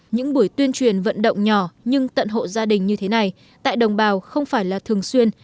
những buổi tuyên truyền vận động nhỏ nhưng tận hộ gia đình như thế này tại đồng bào không phải là thường xuyên